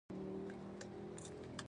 ورزش د بدن د داخلي برخو پیاوړتیا زیاتوي.